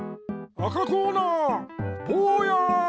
赤コーナーぼうや！